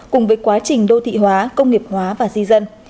cùng với quá trình đô thị hóa công nghiệp hóa và di dân